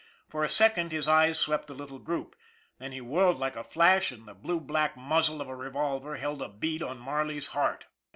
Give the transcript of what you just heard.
For a second his eyes swept the little group. Then he whirled like a flash, and the blue black muzzle of a revolver held a bead on Marley's heart.